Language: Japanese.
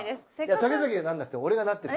竹がなんなくても俺がなってる。